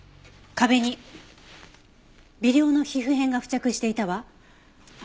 壁に微量の皮膚片が付着していたわ。